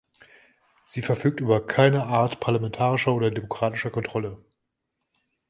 Sie verfügt über keine Art parlamentarischer oder demokratischer Kontrolle.